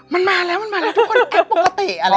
มันมาแล้วทุกคนแอบปกติ